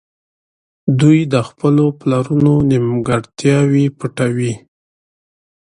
دوی د خپلو پلرونو نيمګړتياوې پټوي.